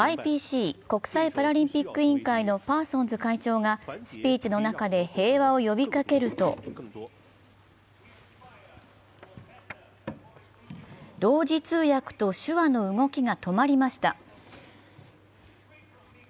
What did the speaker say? ＩＰＣ＝国際パラリンピック委員会のパーソンズ会長がスピーチの中で平和を呼びかけると同時通訳と手話の動きが止まりました。